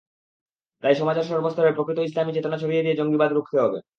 তাই সমাজের সর্বস্তরে প্রকৃত ইসলামি চেতনা ছড়িয়ে দিয়ে জঙ্গিবাদ রুখতে হবে।